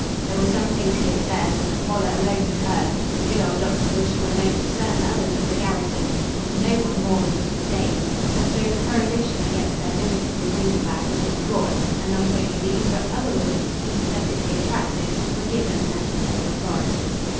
There were some things he had said and that Waller alone had heard, the good old doctor wished were known to certain others of the garrison, and to no one more than Mrs. Dade; and so the prohibition against their visiting the wounded lad was withdrawn, and not only these, but other women, sympathetically attracted, were given the necessary authority.